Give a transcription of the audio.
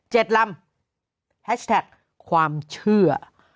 ลำแฮชแท็กความเชื่อ